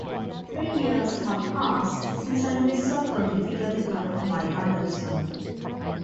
Three years have passed since Anubis suffered defeat at the hand of Mike Anderson.